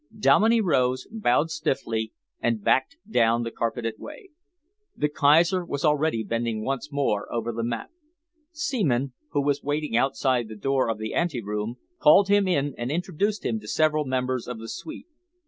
Dominey rose, bowed stiffly and backed down the carpeted way. The Kaiser was already bending once more over the map. Seaman, who was waiting outside the door of the anteroom, called him in and introduced him to several members of the suite.